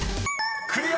［クリア！］